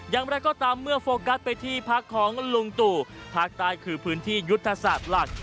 อย่างไรก็ตามเมื่อโฟกัสไปที่พักของลุงตู่ภาคใต้คือพื้นที่ยุทธศาสตร์หลัก